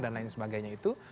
dan lain sebagainya itu